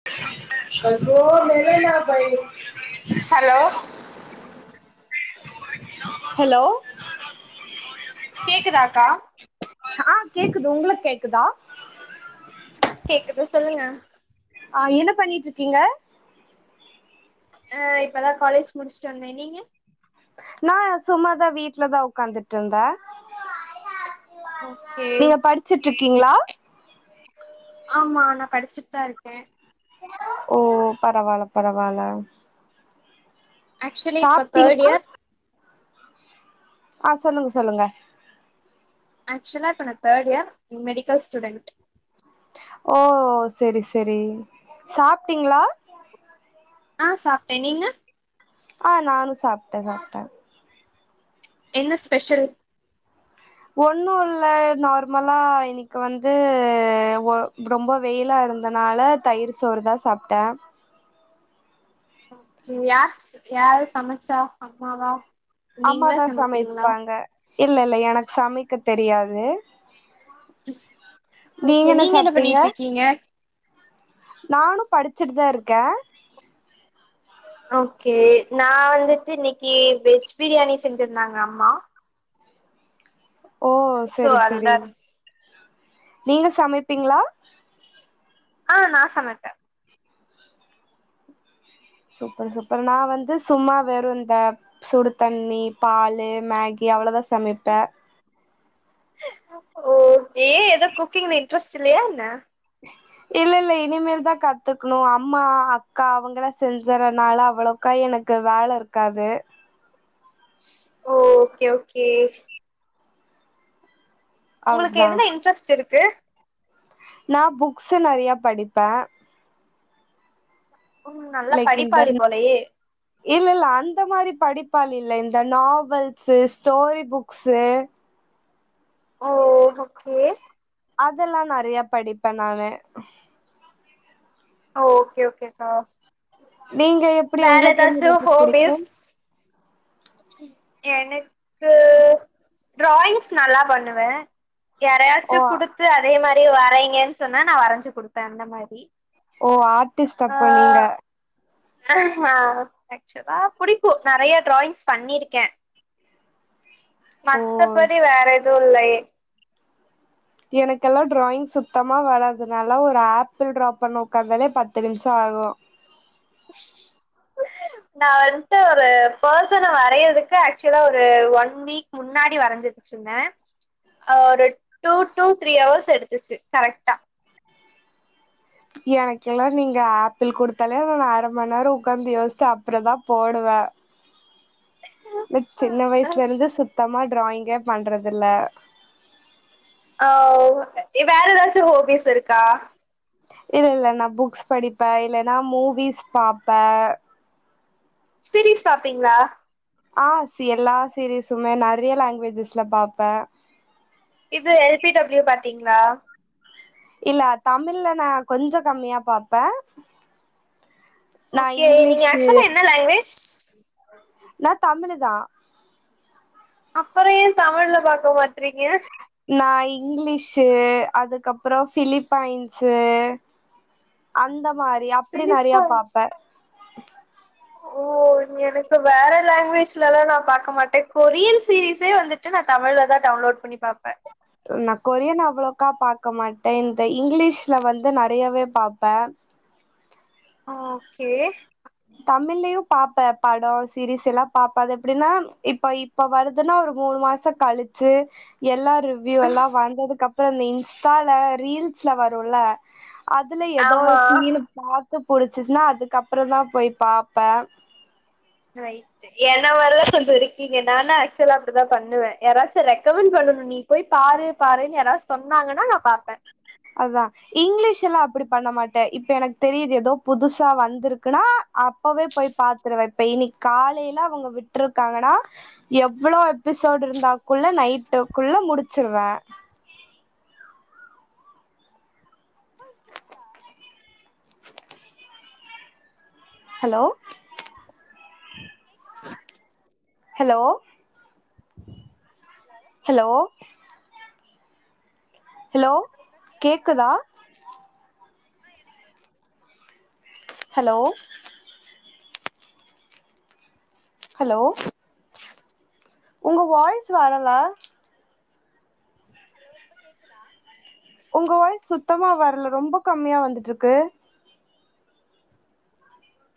[unintelligible] hello hello கேக்குதாக்கா ஆ கேக்குது உங்களுக் கேக்குதா கேக்குது சொல்லுங்க ஆ என்ன பண்ணிட் இருக்கீங்க ஆ இப்பதா காலேஜ் முடிச்ட்டு வந்தே நீங்க நா சும்மாதா வீட்லதா உக்காந்துட் இருந்தே ஓகே நீங்க படிச்சிட் இருக்கீங்ளா ஆமா நா படிச்சிட் தா இருக்கே ஓ பரவால பரவால அக்சுவலி இப்ப தர்ட் சாப்ட்டீங்களா இயர் ஆ சொல்லுங்க சொல்லுங்க அக்சுவலா இப்போ நா தேர்ட் இயர் மெடிக்கல் ஸ்டூடெண்ட் ஓ செரி செரி சாப்டீங்ளா ஆ சாப்ட்டே நீங்க ஆ நானு சாப்டே சாப்டே என்ன ஸ்பெஷல் ஒன்னு இல்ல நார்மலா இன்னைக்கி வந்து வொ ரொம்ப வெயிலா இருந் தனால தயிர் சோறு தா சாப்டே யார்ஸ் யாரு சமச்சா அம்மாவா நீங்களா அம்மாதா சமைப்பீங்களா சமைப்பாங்க இல்ல இல்ல எனக்கு சமைக்க தெரியாது ஓகே நீங்க என்ன பண்ணிட் இருக்கீங்க நானு படிச்சிட்டு தா இருக்கே ஓகே நா வந்துட்டு இன்னிக்கி வெஜ் பிரியாணி செஞ்சிருந்தாங்க அம்மா ஓ சோ செரி செரி அதுதா நீங்க சமைப்பீங்ளா ஆ நா சமப்பே சூப்பர் சூப்பர் நா வந்து சும்மா வெறு இந்த சுடுதண்ணி பாலு மகி அவ்ளோதா சமப்பே ஓகே எதோ குக்கிங்ல இண்ட்ரஸ் இல்லயா என்ன இல்ல இல்ல இனிமேல்தா கத்துக்ணு அம்மா அக்கா அவங்கலா செஞ்சிறனால அவ்ளோ க எனக்கு வேல இருக்காது ஓகே ஓகே உங்களுக்கு அவ்ளதா எதுல இன்ட்ரெஸ்ட் இருக்கு நா புக்ஸ் நெறயா படிப்பே ம் நல்லா லைக் இந்த படிப்பாளி போலயே இல்ல இல்ல அந்த மாரி படிப்பாளி இல்ல இந்த நாவல்ஸு ஸ்டோரி புக்ஸூ ஓ ஓகே அதெல்லா நெறயா படிப்பே நானு ஓகே ஓகேக்கா நீங்க எப்டி வேற உங்களுக்கு என்ன எதாச்சு ரொம்ப புடிக்கு ஹோபிஸ் என க்கு ட்ராயிங்ஸ் நல்லா பண்ணுவே ஓ யாராயச்சு குடுத் து அதே மாரி வரைங்கன் சொன்னா நா வரைஞ்சு குடுப்பே அந்த மாரி ஓ ஆட்டிஸ்ட் அப்போ நீங்க அஹ ஆக்சுவலா புடிக்கு நெறயா ட்ராயிங்ஸ் பண்ணிருக்கே ஓ மத்தபடி வேற எதுவு இல்லை எனக்கெல்லா ட்ராயிங் சுத்தமா வராது நாலா ஒரு ஆப்பிள் ட்ரா பண்ண உக்காந்தலே பத்து நிமிஷ ஆகு [unintelligible] நா வன்ட்டு ஒரு பர்சன வரையறதுக்கு ஆக்சுவலா ஒரு ஒன் வீக் முன்னாடி வரைஞ்சிருச்சிருந்தே ஒரு டூ டூ த்ரீ ஹவர்ஸ் எடுத்துச்சு கரெக்டா எனக்கெல்லா நீங்க ஆப்பிள் குடுத்தாலே அக நா அரை மண்நேர உட்காந்து யோசிட்டு அப்றதா போடுவே இந்த சின்ன வயசுல இருந்து சுத்தமா ட்ராயிங்கே பண்றதுல்ல ஆ வேற ஏதாச்சு ஹோபிஸ் இருக்கா இல்ல இல்ல நா புக்ஸ் படிப்பே இல்லைன்னா மூவிஸ் பாப்பே சிரிஸ் பாப்பிங்ளா ஆ எல்லா சீரீஸுமே நெறைய லாங்குவேஜஸ்ல பாப்பே இது எல் பி டபள்யூ பாத்தீங்ளா இல்ல தமிழ்ல நா கொஞ்ச கம்மியா பாப்பே நா ஓகே நீங்க இங்கிலீஷு ஆக்சுவலா என்ன லாங்குவேஜ் நா தமிழுதா அப்புற ஏ தமிழ்ல பாக்க மாட்டறீங்க நா இங்கிலீஷ் அதுக்கப்புற பிலிப்பைன்ஸ் அந்த மாரி அப்படி நெறைய பிலிப்பைன்ஸ் பாப்பே ஓ எனக்கு வேற லாங்குவேஜ்லல்லா நா பாக்க மாட்டே கொரியன் சீரீஸே வந்து ச்சு நா தமிழ்லதா டவுன்லோட் பண்ணி பாப்பே நா கொரியன் அவ்வளவுக்கா பாக்க மாட்டே இந்த இங்கிலீஷ்ல வந்து நெறையவே பாப்பே ஓகே தமிழ்லயு பாப்பே பட சீரிஸ் எல்லா பாப்பே அது எப்டின்னா இப்ப இப்ப வருதுன்னா ஒரு மூணு மாச கழிச்சு எல்லா ரிவ் யு எல்லா வந்ததுக்கு அப்ற இந்த இன்ஸ்டால ரீல்ஸ்ல வருல்ல அதுல எதோ ஆமா சீனு பாத்து புடிச்சிச்சுன்னா அதுக்கப்புறதா போய் பாப்பே ரைட்டு என்ன மாரிதா கொஞ்ச இருக் கிங்க நானா ஆக்சுவலா அப்டிதா பண்ணுவே யாராச்சு ரெக்கமெண்ட் பண்ணணு நீ போய் பாரு பாருன்னு யாராது சொன்னாங்கன்னா நா பாப்பே அதா இங்கிலீஷ் எல்லா அப்படி பண்ண மாட்டே இப்ப எனக்கு தெரிது ஏதோ புதுசா வந்திருக்குன்னா அப்பவே போய் பாத்துருவே இப்ப இனிக் காலைல அவங்க விட்டுருக்காங்கன்னா எவ்ளோ எபிசோடு் இருந்தாக்குள்ள நைட்டுக்குள்ள முடிச்சிருவே ஹலோ கேக்குதா ஹலோ ஹலோ ஹலோ ஒழுங்கா கேக்குதா ஆ எனக்கு கேக்குது ஹலோ ஹலோ உங்க வாய்ஸ் வரல இப்ப கேக்குதா உங்க வாய்ஸ் சுத்தமா வர்ல ரொம்ப கம்மியா வந்துட்ருக்கு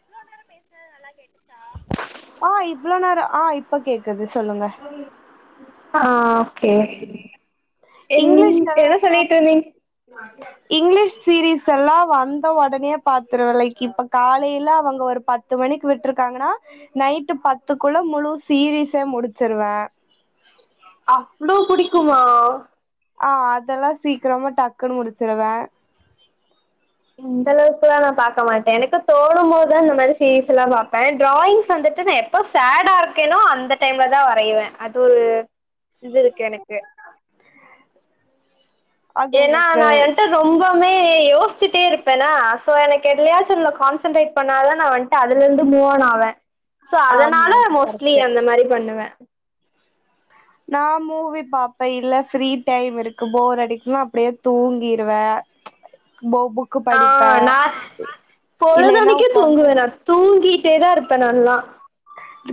இவ்ளோ நேர பேசுனது நல்லா கேட்டுச்சா ஆ இவ்ளோ நேர ஆ இப்ப கேக்குது சொல்லுங்க ஆ ஒகே என் என்ன சொல்லிட்ருந்தீங்க ஆ இங்கிலீஷ் சீரீஸ் எல்லா வந்த ஒடனேயே பாத்துருவே லைக் இப்ப காலையில அவுங்க ஒரு பத் த்து மணிக்கு விட்டுருக்காங்கன்னா நைட்டு பத்துக்குள்ள முழு சீரீஸே முடிச்சிருவே அவ்ளோ புடிக்குமா ஆ அதெல்லா சீக்கிரமா டக்குன்னு முடிச்சிருவ இந்தளவுக்குலா நா பாக்க மாட்டே எனக்கு தோனும்போதுதா இந்த மாரி சீஸ்ல்லா பாப்பே டிராயி்ஸ் வந்துட்டு நா இப்ப சேடா இருக்கேனோ அந்த டைம்ல தா வரையுவ அது ஒரு இது இருக்கு எனக்கு அது ஏனா உங்களுக்கு நா எண்டர் ரொம்பமே யோசிச்சுட்டே இருப்பேனா சோ எனக்கு எதிலயாச்சு கான்சென்ட்ரேட் பண்ண து நா வந்து அதுல இந்து மூவணாவே சோ அதனால ஆமா மோஸ்ட்லி கரெக்ட்டு அந்த மாரி பண்ணுவ நா மூவி பாப்பே இல்ல ஃப்ரீ டைம் இருக்கு போர் அடிக்கும்அப்டியே தூங்கிடுவே போ புக் ஆ நா இல்லைன்னா பொழுதனைக்கு உக்காந்து தூங்குவ நா தூங்கிட்டே தா இருப்பே நல்லா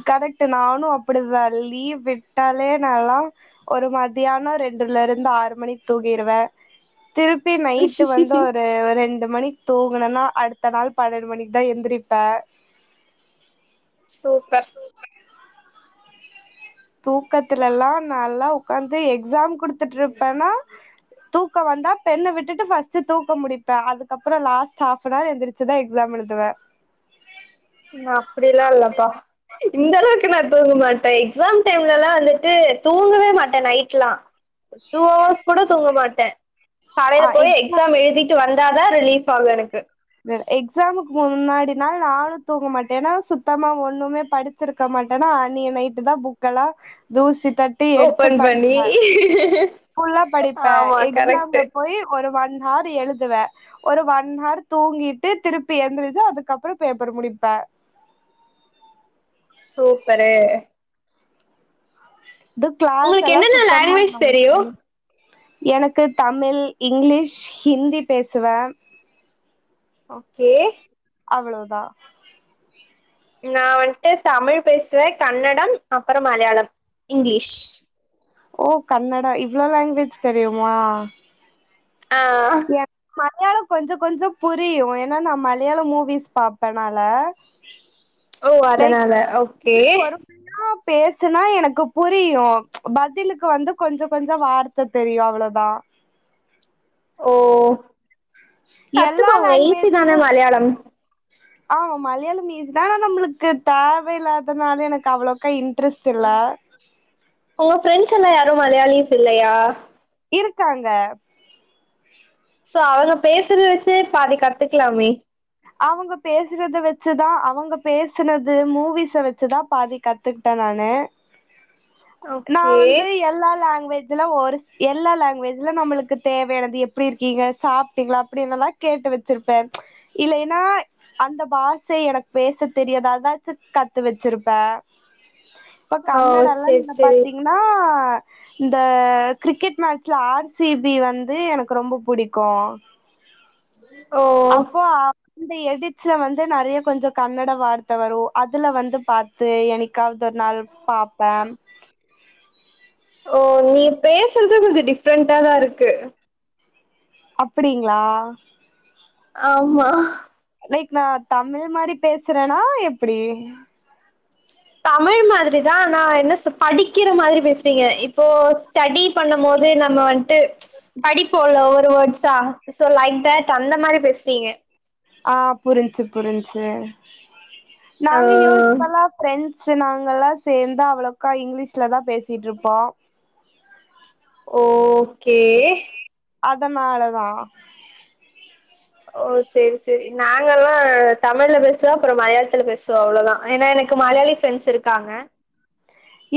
கரெக்ட் நானும் அப்டிதா லீவு விட்டாலே நல்லா ஒரு மத்தியானோ ரெண்டுல இருந்து ஆறு மணிக் தூக்கிருவே திருப்பி நைட்டு வந்து ஒரு ரெண் ண்டு மணிக் தூங்குனனா அடுத்த நாள் பன்னெண்டு மணிக்கு தா எந்திரிப்ப சூப்பர் தூக்கத்துல எல்லா நல்லா உக்காந்து எக்ஸாம் குடுத்துட்டு இருப்பேனா தூக்க வந்தா பெண்ணெ விட்டு ட்டு பஸ்ட் தூக்க முடிப்பே அதுக்கப்பறம் லாஸ்ட் ஆப்நவர் எந்திருச் சிதா எக்ஸாம் எழுதுவே நா அப்டி எல்லா இல்லப்பா இந்த அளவுக்கு நா தூங்க மாட்டே எக்ஸாம் டைம்லல்லா வந்துட்டு தூங்கவே மாட்டே நைட் லா டூ ஹவர்ஸ் கூட தூங்க மாட்ட காலையில போய் எக்ஸாம் எழுதிட்டு வந்தா தா ரிலீஃப் ஆகும் எனக்கு எக்ஸாமுக்கு முன்னாடி நாள் நானு தூங்க மாட்டே ஏன்னா சுத்தமா ஒண்ணுமே படி சிருக்க மாட்டேன்னா அன்னிய நைட்டு தா புக்க எல்லா தூசி தட்டி எடுத்து ஓபன் பண்ணி படிப்ப லா படிப்ப ஆமா கரெக்ட்டு எக்ஸாம்ல போய் ஒரு ஒன் ஹர் எழுதுவே ஒரு ஒன் ஹவர் தூங்கிட்டு திருப்பி எழுந்ருச்சு அதுக்கப்புற பேப்பர் முடிப்பே சூப்பரு இது கிளாஸ் உங்களுக்கு எல்லா என்னென்ன சுத்தமா லாங்குவேஜ் தெரியு எனக்கு தமிழ் இங்கிலீஷ் ஹிந்தி பேசுவ ஓகே அவ்வளவுதா நா வந்ட்டு தமிழ் பேசுவ கன்னடம் அப்புறம் மலையாளம் இங்கிலீஷ் ஓ கன்னடா இவ்ளவு லாங்வேஜ் தெரியுமா ஆ எஸ் மலையாளம் கொஞ்ச கொஞ்ச புரியும் ஏனா நா மலையாளம் மூவிஸ் பாப்பேனால ஓ அதனால ஓகே பொறுமையா பேசுனா எனக்கு புரியும் பதிலுக்கு வந்து கொஞ்ச கொஞ்ச வார்த்த தெரியும் அவ்ளோதா ஓ எல்லா கத்துக்கோங்க ஈஸி தான லாங்குவேஜ்ல மலயாளம் ஆமா மலயாளம் ஈசி தா ஆனா நம்மளுக்கு தேவயில்லாதனால எனக்கு அவ்ளோக்க டிரெஸ்ட் இல்ல உங்க ஃப்ரெண்ட்ஸ் எல்லா யாரும் மலயாளிஸ் இல்லயா இருக்காங்க சோ அவுங்க பேசுற வச்சு பாதி கத்துக்கலாமே அவுங்க பேசுறத வச்சுதா அவுங்க பேசுனது மூவிஸ வச்சுதா பாதி கத் துக்ட்டே நானு நா ஓகே வந்து எல்லா லாங்குவேஜ் ல்ல ஒரு சி எல்லா லாங்குவேஜ்லும் நம்மளுக்கு தேவையானது எப்டி இருக்கீங்க சாப்ட்டீங்களா அப்டின்னுல்லா கேட்டு வச்சிருப்பே இல்லைன்னா அந்த பாசை எனக்கு பேச தெரியது அதாச்சு கத்து வச்சிருப்பே ஓ சேரி சேரி நா இந்த கிரிக்கெட் மேட்ச்ல ஆர் சி பி வந்து எனக்கு ரொம்ப புடிக்கு ஓ ஓ அப் இந்த எடிட்ஸ்ல வந்து நெறைய கொஞ்ச கன்னட வார்த்த வரு அதுல வந்து பாத்து எனக்காவது ஒரு நாள் பாப்பாம் ஓ நீ பேசுறது கொஞ்ச டிஃப்ரெண்டண்டாதா இருக்கு அப்டிங்களா ஆமா லைக் நா தமிழ் மாரி பேசுறேன்னா எப்டி தமிழ் மாதிரி தா ஆனா என்ன சொ படிக்கிற மாதிரி பேசுறீங்க இப்போ ஸ்டடி பண்ணும் போது நம்ம வந்ட்டு படிப்போல ஒவ்ரு வேர்ட்ஸா சோ லைக் தேட் அந்த மாரி பேசுறீங்க ஆ புரிஞ்சி புரிஞ்சி ஆ நாங்க யூஸ்ப்வலா ஃப்ரென் ஸு நாங்கல்லா சேந்தா அவ்ளோக்கா இங்கிலீஷ்ல தா பேசிட்டு இருப்போ ஓகே அதனால தா ஓ செரி செரி நாங்கல்லா ப்போ தமிழ்ல பேசுவா அப்புறோ மலையாளத்துல பேசுவா அவ்ளோதா ஏன்னா எனக்கு மலயாளி ஃப்ரெண்ட்ஸ் இருக்காங்க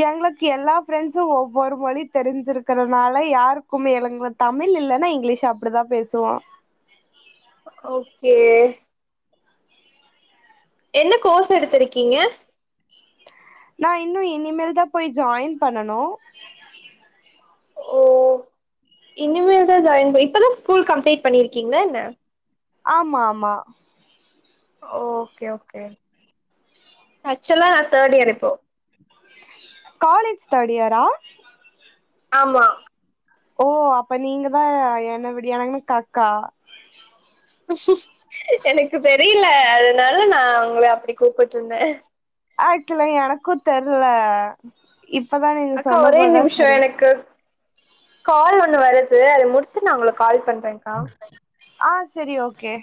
எங்களுக்கு எல்லா ஃப்ரெண்ட்ஸு ஒவ்வொரு மொழி தெரிஞ்சிருக்குறனால யாருக்கும் எங்கள தமிழ் இல்லன்னா இங்கிலீஷ் அப்டிதா பேசுவோ ஓகே என்ன கோர்ஸ் எடுத்திருக்கீங்க நா இன்னு இனிமேல் தா போயி ஜாயின் பண்ணனு ஓ இனிமேல் தா ஜாயின் இப்பதான் ஸ்கூல் கம்ப்ளீட் பண்ணிருக்கீங்களா என்ன ஆமா ஆமா ஓகே ஓகே ஆக்சுவலா நா தேர்ட் இயர் இப்போ காலேஜ் தேர்ட் இயரா ஆமா ஓ அப்ப நீங்க தா என்னவிடிய எனக்கு அக்கா எனக்கு தெரியல அதனால நா உங்கள அப்டி கூப்பிட்டு இருந்தே ஆக்சுவலா எனக்கு தெர்ல இப்பதா நீங்க அக்கா சொன்ன ஒரே போதா நிமிஷோ தெரி எனக்கு கால் ஒன்னு வருது அது முடிச்சுட்டு நா உங்களுக்கு கால் பண்றே ஆ செரி ஓகே